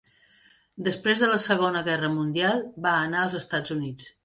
Després de la Segona Guerra Mundial va anar als Estats Units.